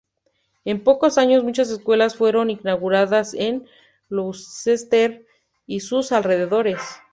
En pocos años, muchas escuelas fueron inauguradas en Gloucester y sus alrededores.